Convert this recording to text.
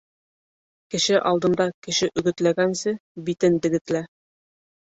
Кеше алдында кеше өгөтләгәнсе, битен дегетлә.